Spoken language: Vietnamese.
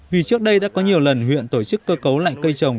vì trước đây đã có nhiều lần huyện tổ chức cơ cấu lại cây trồng